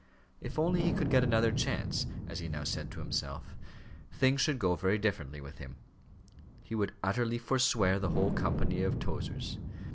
If only he could get another chance, as he now said to himself, things should go very differently with him. He would utterly forswear the whole company of Tozers.